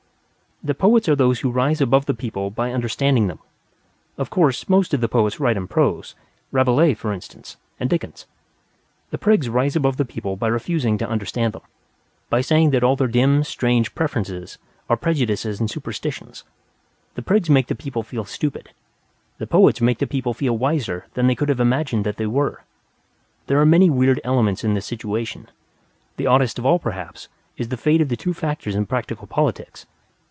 The Poets are those who rise above the people by understanding them. Of course, most of the Poets wrote in prose Rabelais, for instance, and Dickens. The Prigs rise above the people by refusing to understand them: by saying that all their dim, strange preferences are prejudices and superstitions. The Prigs make the people feel stupid; the Poets make the people feel wiser than they could have imagined that they were. There are many weird elements in this situation. The oddest of all perhaps is the fate of the two factors in practical politics.